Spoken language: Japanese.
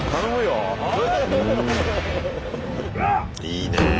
いいねえ。